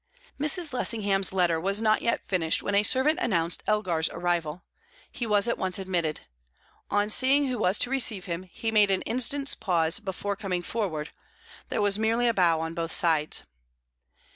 Mrs. Lessingham's letter was not yet finished when a servant announced Elgar's arrival. He was at once admitted. On seeing who was to receive him, he made an instant's pause before coming forward; there was merely a bow on both sides.